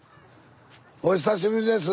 お久しぶりです。